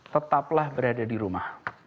tetaplah berada di rumah